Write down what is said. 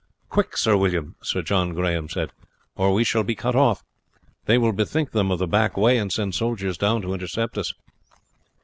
"Quick, Sir William," Sir John Grahame said, "or we shall be cut off! They will bethink them of the back way, and send soldiers down to intercept us."